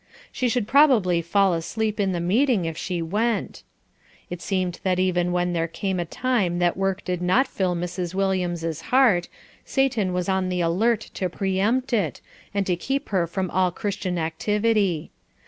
She should probably fall asleep in the meeting if she went. It seemed that even when there came a time that work did not fill Mrs. Williams' heart, Satan was on the alert to pre empt it, and keep her from all Christian activity.